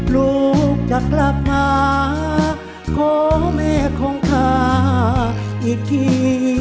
ลูกอยากกลับมาก็ไม่คงข้าอีกที